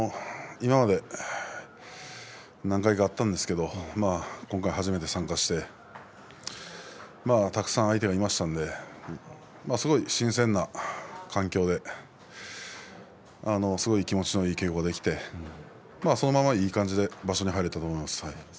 今まで何回かあったんですけれど今回、初めて参加してたくさん相手がいましたのですごい新鮮な環境ですごい気持ちのいい稽古ができてそのまま、いい感じで場所に入れたと思います。